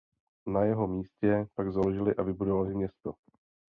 Na jeho místě pak založili a vybudovali město.